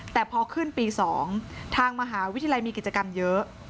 แต่พอขึ้นปี๒ทางมหาวิทยาลัยมีกิจกรรมเยอะ